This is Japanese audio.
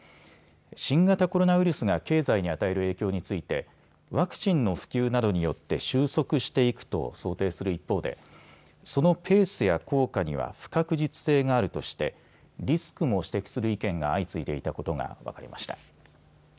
新型コロナウイルスが経済に与える影響についてワクチンの普及などによって収束していくと想定する一方でそのペースや効果には不確実性があるとしてリスクも指摘する意見が相次いでいたことが分かりました。